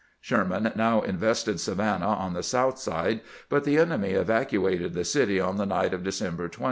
Sherman now invested Savannah on the south side, but the enemy evacuated the city on the night of De cember 20.